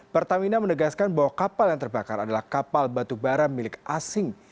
pertamina menegaskan bahwa kapal yang terbakar adalah kapal batu bara milik asing